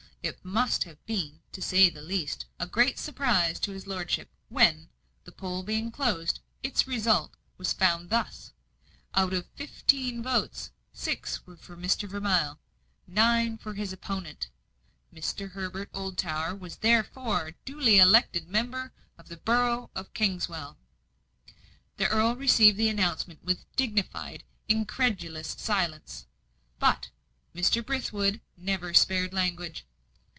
It must have been, to say the least, a great surprise to his lordship, when, the poll being closed, its result was found thus: Out of the fifteen votes, six were for Mr. Vermilye, nine for his opponent. Mr. Herbert Oldtower was therefore duly elected as member for the borough of Kingswell. The earl received the announcement with dignified, incredulous silence; but Mr. Brithwood never spared language.